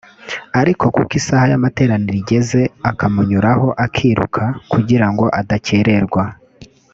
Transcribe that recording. ariko kuko isaha y’amateraniro igeze akamunyuraho akiruka kugira ngo adakererwa